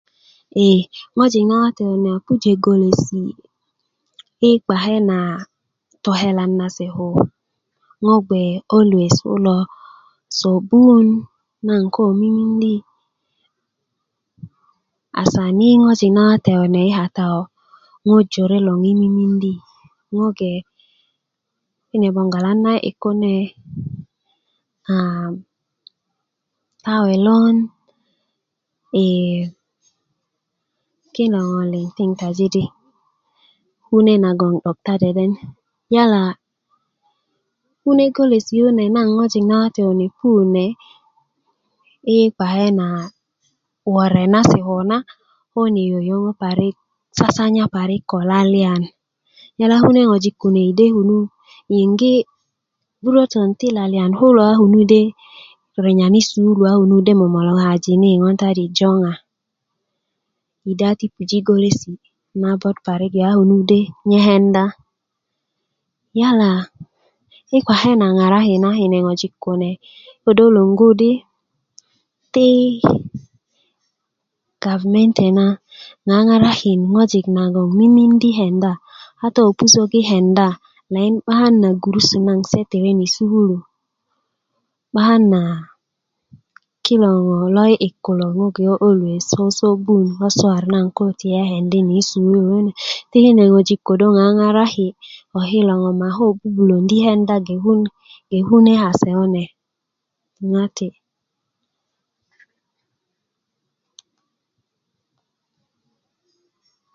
ye ŋojik nawate kune a pujö goliyesi' yi kpake na tokelan nase ko ŋo' gbe always kulo naŋ ko mimindi asan yi ŋojik nawate kune yi kata ko ŋo' jore loŋ yi mimindi ŋo' gbe kine boŋgolan na'di'dik kune a tawelon e kilo ŋo' liŋ tin taji dikune' nagoŋ 'dok ta deden yala kune' golesi' nagoŋ ŋojik nawate a pu kune yi kpake na wore' nase na koko kune yöyöŋö parik sasanya parik ko laliyan a kune ŋojik kune kunu yide yiŋgi' 'burötön kulo a kunu de yiŋgi kine kulya a kunu momolukajini yi joŋa yide kunu ti puji golesi' a kunu de nye' kenda yala yi kpakena ŋaraki' na kine ŋojik kune nan ködö luŋgu di ti gaamente na ŋaaŋarak̄n ŋojik nagoŋ ko pusök kata ko pusök yikenda lakin 'bakan na gurusu nagoŋ koko tirini sukulu'bakan kilo ŋo' lo'di'dik kilo ŋo' gbeŋge ko aluwrsi ko söbun kosuka nagoŋ koo ti kekendi yi sukuluyu kine ŋojik ködö ti ŋaaŋaraki' ko ŋo' ma koko bubulö kenda gbeŋge kune' ŋojik kune kase kune tinaye'